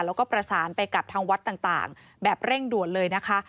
แล้วก็ประสานไปกับทางวัดต่างแบบเร่งด่วนเลยนะคะ